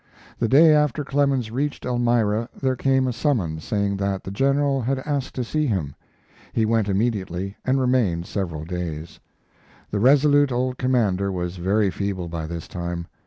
The day after Clemens reached Elmira there came a summons saying that the General had asked to see him. He went immediately, and remained several days. The resolute old commander was very feeble by this time.